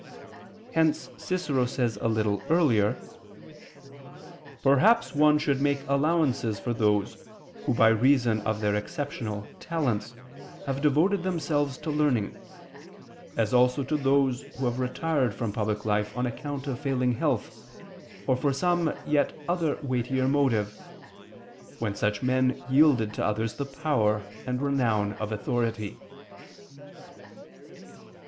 Hence Cicero says a little earlier: "Perhaps one should make allowances for those who by reason of their exceptional talents have devoted themselves to learning; as also to those who have retired from public life on account of failing health, or for some other yet weightier motive; when such men yielded to others the power and renown of authority."